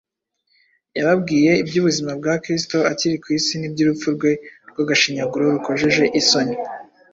Yababwiye iby’ubuzima bwa Kristo akiri ku isi n’iby’urupfu rwe rw’agashinyaguro rukojeje isoni.